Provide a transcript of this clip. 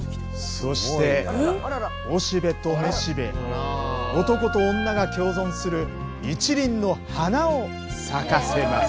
そしておしべとめしべ男と女が共存する一輪の花を咲かせます。